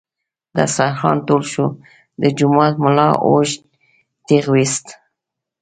دسترخوان ټول شو، د جومات ملا اوږد ټېغ ویست.